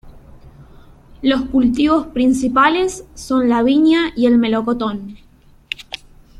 Los cultivos principales son la viña y el melocotón.